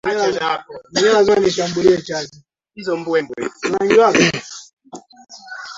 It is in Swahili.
ya viungo inafanyika nchini kwetu na wanaouwawa Kongo viungo vinaletwa Tanzania huku na Tanzania